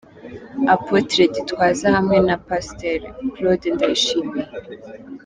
Apotre Gitwaza hamwe na Pastor Claude Ndayishimiye.